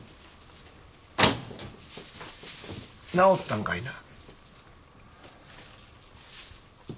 治ったんかいな？